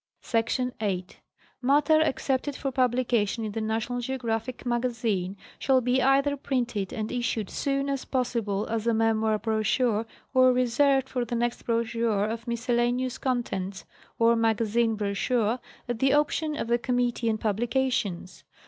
Sec. 8. Matter accepted for publication in the National Geo graphic Magazine shall be either printed and issued soon as pos sible as a memoir brochure or reserved for the next brochure of miscellaneous contents (or magazine brochure) at the option of the Committee on Publications.